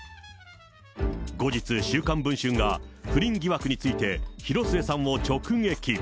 後日、週刊文春が不倫疑惑について、広末さんを直撃。